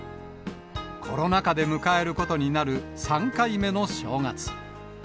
コロナ禍で迎えることになる３回目の正月。